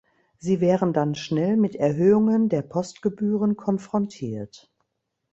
Sie wären dann schnell mit Erhöhungen der Postgebühren konfrontiert.